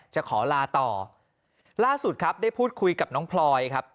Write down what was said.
จะขอลาต่อล่าสุดครับได้พูดคุยกับน้องพลอยครับ